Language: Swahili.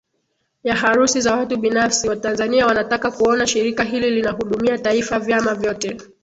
ya harusi za watu binafsi Watanzania wanataka kuona shirika hili linahudumia taifa vyama vyote